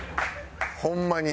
ホンマに。